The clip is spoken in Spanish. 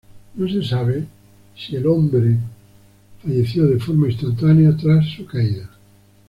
No se sabe si el hombre falleció de forma instantánea tras su caída.